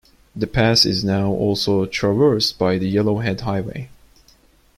The pass is now also traversed by the Yellowhead Highway.